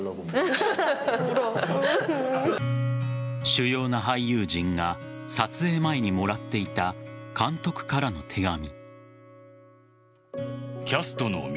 主要な俳優陣が撮影前にもらっていた監督からの手紙。